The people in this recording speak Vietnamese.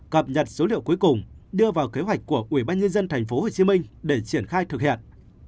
cập nhật số liệu cuối cùng đưa vào kế hoạch của ủy ban nhân dân thành phố hồ chí minh để triển khai thực hiện